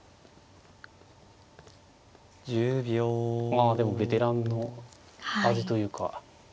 まあでもベテランの味というか。